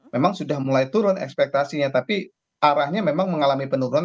memang sudah mulai turun ekspektasinya tapi arahnya memang mengalami penurunan